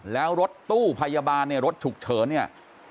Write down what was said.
แล้วรถตู้พยาบาลเนี่ยรถฉุกเฉินเนี่ย